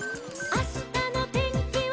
「あしたのてんきは」